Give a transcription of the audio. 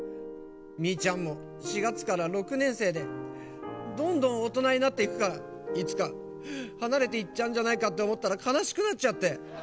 みーちゃんも４月から６年せいでどんどんおとなになっていくからいつかはなれていっちゃうんじゃないかっておもったらかなしくなっちゃって。